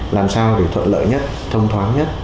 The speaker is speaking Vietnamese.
làm sao để thuận lợi nhất thông thoáng nhất